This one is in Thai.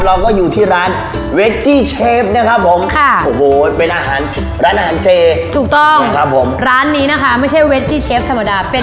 เราก็อยู่ที่ร้านเวจจี้เชฟนะครับผมค่ะโอ้โหเป็นอาหาร